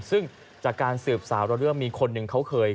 ซึ่งจากการสืบสาวเราเรื่องมีคนหนึ่งเขาเคย